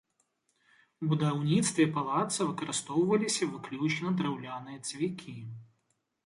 У будаўніцтве палаца выкарыстоўваліся выключна драўляныя цвікі!